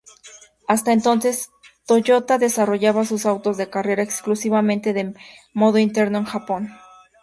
Hasta entonces, Toyota desarrollaba sus autos de carrera exclusivamente de modo interno, en Japón.